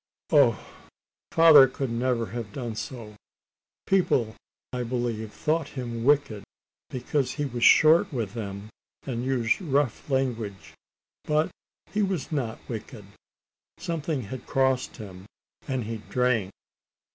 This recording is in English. Oh! father could never have done so! People, I believe, thought him wicked, because he was short with them, and used rough language. But he was not wicked. Something had crossed him; and he drank.